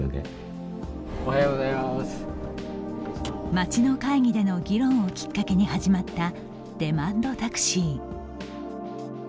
町の会議での議論をきっかけに始まったデマンドタクシー。